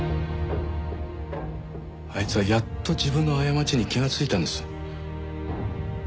あいつはやっと自分の過ちに気がついたんです。